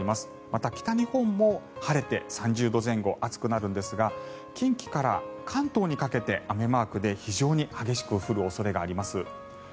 また、北日本も晴れて３０度前後暑くなるんですが近畿から関東にかけて雨マークで、非常に激しく降る恐れがあります。